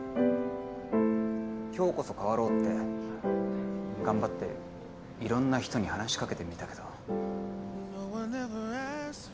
今日こそ変わろうって頑張っていろんな人に話しかけてみたけど。